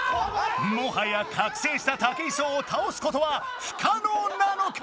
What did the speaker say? もはやかくせいした武井壮をたおすことは不可能なのか？